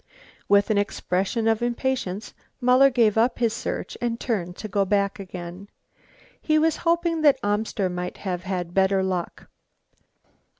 With an expression of impatience Muller gave up his search and turned to go back again. He was hoping that Amster might have had better luck.